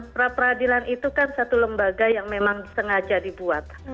pra peradilan itu kan satu lembaga yang memang sengaja dibuat